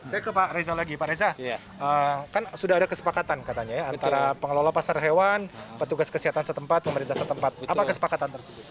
saya ke pak reza lagi pak reza kan sudah ada kesepakatan katanya ya antara pengelola pasar hewan petugas kesehatan setempat pemerintah setempat apa kesepakatan tersebut